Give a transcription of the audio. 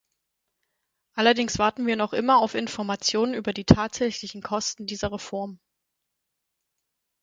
Allerdings warten wir noch immer auf Informationen über die tatsächlichen Kosten dieser Reform.